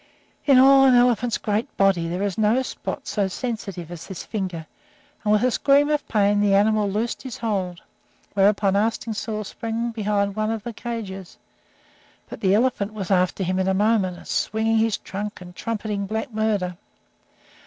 In all an elephant's great body, there is no spot so sensitive as this finger, and, with a scream of pain, the animal loosed his hold, whereupon Arstingstall sprang behind one of the cages. But the elephant was after him in a moment, swinging his trunk and trumpeting black murder.